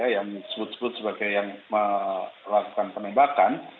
yang disebut sebut sebagai yang melakukan penembakan